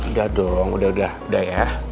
enggak dong udah udah udah ya